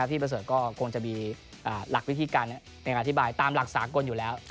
ที่เบอร์เซิร์ตก็คงจะมีหลักวิธีการในการอธิบายตามหลักศาลกรณ์อยู่แล้ว